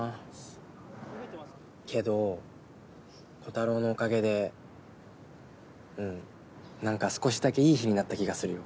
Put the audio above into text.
けどコタローのおかげでうんなんか少しだけいい日になった気がするよ。